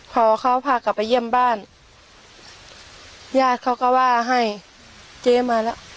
พอเขาพากลับไปเยี่ยมบ้านญาติเขาก็ว่าให้เจ๊มาแล้ว